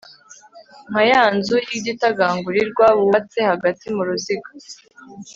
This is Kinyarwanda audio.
nka ya nzu y'igitagangurirwa bubatse hagati mu ruziga